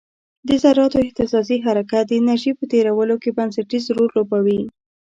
د ذراتو اهتزازي حرکت د انرژي په تیرولو کې بنسټیز رول لوبوي.